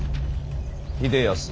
秀康